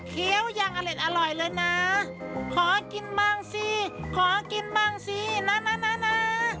อย่างอเล็ดอร่อยเลยนะขอกินบ้างสิขอกินบ้างสินะ